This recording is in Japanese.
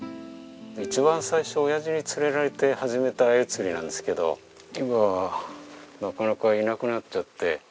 一番最初親父に連れられて始めたアユ釣りなんですけど今はなかなかいなくなっちゃって。